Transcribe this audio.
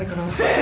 え！？